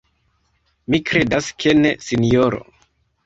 Mi kredas ke ne, sinjoro.